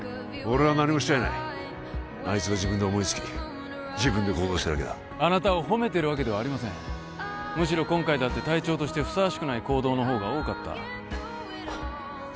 俺は何もしちゃいないあいつが自分で思いつき自分で行動しただけだあなたを褒めてるわけではありませんむしろ今回だって隊長としてふさわしくない行動のほうが多かったはっ